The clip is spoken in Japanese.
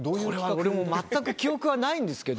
これは全く記憶がないんですけど。